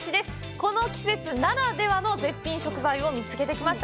この季節ならではの絶品食材を見つけてきました。